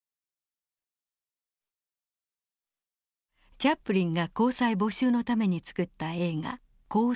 チャップリンが公債募集のために作った映画「公債」です。